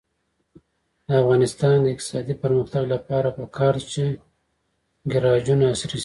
د افغانستان د اقتصادي پرمختګ لپاره پکار ده چې ګراجونه عصري شي.